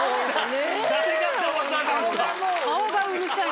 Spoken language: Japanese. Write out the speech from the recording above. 顔がうるさい。